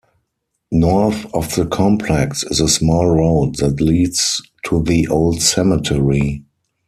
North of the complex is a small road that leads to the old cemetery.